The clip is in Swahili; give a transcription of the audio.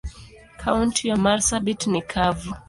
Kaunti ya marsabit ni kavu.